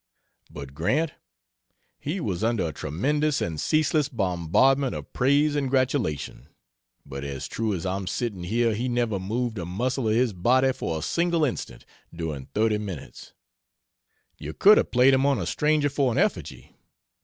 But Grant! he was under a tremendous and ceaseless bombardment of praise and gratulation, but as true as I'm sitting here he never moved a muscle of his body for a single instant, during 30 minutes! You could have played him on a stranger for an effigy.